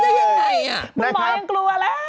คุณหมอยังกลัวแล้ว